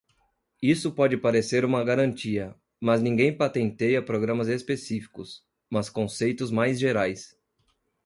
Isso pode parecer uma garantia, mas ninguém patenteia programas específicos, mas conceitos mais gerais.